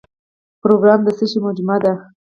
پروګرام د څه شی مجموعه ده؟